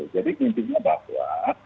jadi intinya bahwa